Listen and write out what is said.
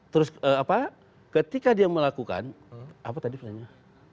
terus apa ketika dia melakukan apa tadi pertanyaannya